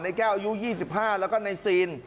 แก้วอายุ๒๕แล้วก็ในซีน